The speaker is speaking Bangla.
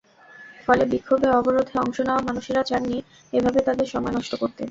ফলে বিক্ষোভে, অবরোধে অংশ নেওয়া মানুষেরা চাননি এভাবে তাঁদের সময় নষ্ট করতে।